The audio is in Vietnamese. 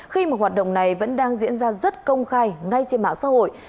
khi mà hoạt động này vẫn đang diễn ra rất công khai ngay trên mạng xã hội